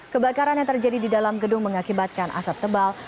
kebakaran yang terjadi di dalam gedung mengakibatkan asap tebal